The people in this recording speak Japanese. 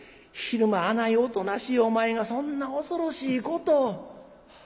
昼間あないおとなしいお前がそんな恐ろしいことを。